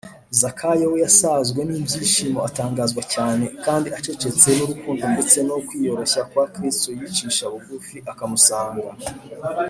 zakayo we yasazwe n’ibyishimo, atangazwa cyane kandi acecekeshwa n’urukundo ndetse no kwiyoroshya kwa kristo yicisha bugufi akamusanga kandi atabikwiriye